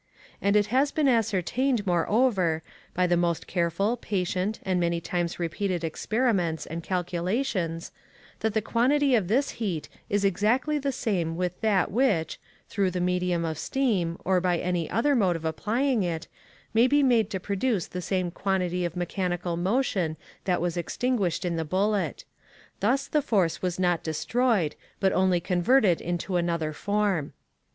And it has been ascertained, moreover, by the most careful, patient, and many times repeated experiments and calculations, that the quantity of this heat is exactly the same with that which, through the medium of steam, or by any other mode of applying it, may be made to produce the same quantity of mechanical motion that was extinguished in the bullet. Thus the force was not destroyed, but only converted into another form.